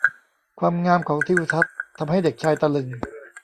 ความงามของทิวทัศน์ทำให้เด็กชายตะลึง